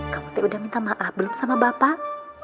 kamu tuh udah minta maaf belum sama bapak